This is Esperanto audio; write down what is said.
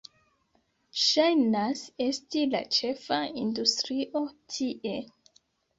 Ŝajnas esti la ĉefa industrio tie.